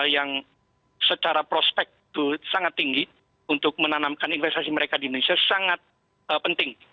yang secara prospek itu sangat tinggi untuk menanamkan investasi mereka di indonesia sangat penting